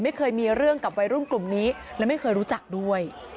ไม่เคยมีเรื่องกับวัยรุ่นกลุ่มนี้และไม่เคยรู้จักด้วย